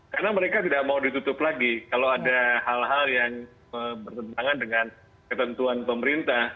karena mereka tidak mau ditutup lagi kalau ada hal hal yang bertentangan dengan ketentuan pemerintah